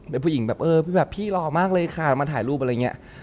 เป็นผู้หญิงแบบเออแบบพี่รอมากเลยค่ะมาถ่ายรูปอะไรอย่างนี้